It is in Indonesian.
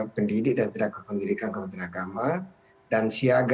kita tidak pendidikan kudos to treatments